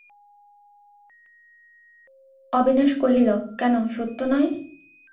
অবিনাশ কহিল, কেন সত্য নয়?